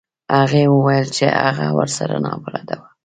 هغې وویل چې هغه ورسره نابلده و.